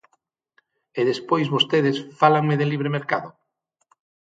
E despois vostedes fálanme de libre mercado.